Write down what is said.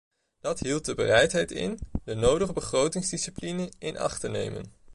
Dat hield de bereidheid in, de nodige begrotingsdiscipline in acht te nemen.